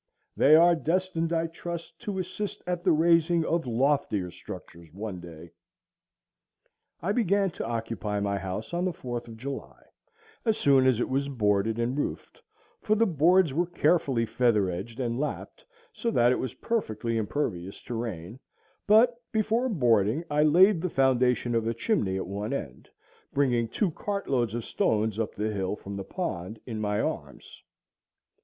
They are destined, I trust, to assist at the raising of loftier structures one day. I began to occupy my house on the 4th of July, as soon as it was boarded and roofed, for the boards were carefully feather edged and lapped, so that it was perfectly impervious to rain; but before boarding I laid the foundation of a chimney at one end, bringing two cartloads of stones up the hill from the pond in my arms.